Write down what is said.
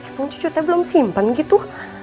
emang cucunya belum simpen gitu